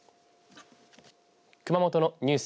熊本のニュース